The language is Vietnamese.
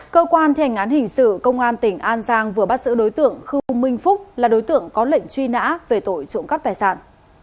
cơ quan thi hành án hình sự công an tỉnh an giang vừa bắt giữ đối tượng khư minh phúc là đối tượng có lệnh truy nã về tội trộm cắp tài sản